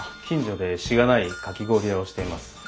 近所でしがないかき氷屋をしています。